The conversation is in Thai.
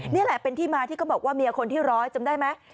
นี่แหละเป็นที่มาที่เขาบอกว่าเมียคนที่ร้อยจำได้ไหม